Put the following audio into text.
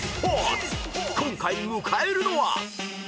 ［今回迎えるのは］